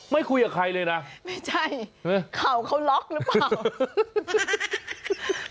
คุยกับใครเลยนะไม่ใช่เขาเขาล็อกหรือเปล่า